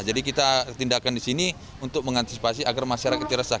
jadi kita tindakan di sini untuk mengantisipasi agar masyarakat meresah